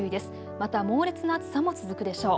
また猛烈な暑さも続くでしょう。